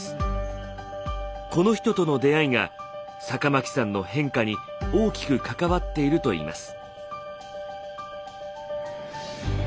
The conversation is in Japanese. この人との出会いが酒巻さんの変化に大きく関わっているといいます。